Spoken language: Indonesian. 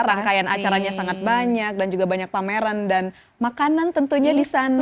rangkaian acaranya sangat banyak dan juga banyak pameran dan makanan tentunya di sana